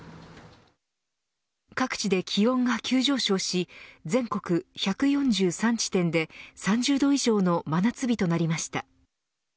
各地で気温が急上昇し全国１４３地点で３０度以上の真夏日となりました。